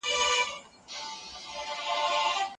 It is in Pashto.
زینک د ماشوم راوړلو وړتیا ته هم مرسته کوي.